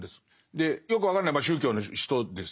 でよく分かんない宗教の人ですよね。